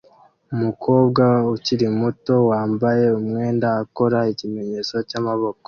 Umukobwa ukiri muto wambaye umwenda akora ikimenyetso cyamaboko